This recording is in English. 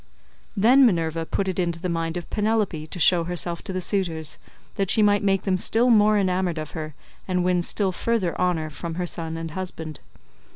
Then Minerva put it into the mind of Penelope to show herself to the suitors, that she might make them still more enamoured of her, and win still further honour from her son and husband.